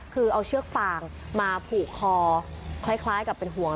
คือเอาเชือกฟางมาผูกคอคล้ายกับเป็นห่วง